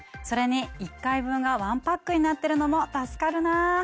それに１回分が１パックになってるのも助かるな。